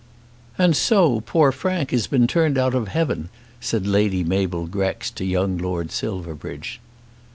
"And so poor Frank has been turned out of heaven?" said Lady Mabel Grex to young Lord Silverbridge.